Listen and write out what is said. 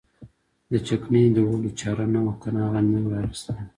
د چکنۍ د وړلو چاره نه وه کنه هغه مې هم را اخیستله.